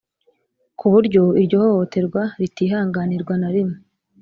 Ku buryo iryo hohoterwa ritihanganirwa na rimwe